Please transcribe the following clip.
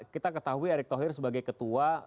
kita ketahui erick thohir sebagai ketua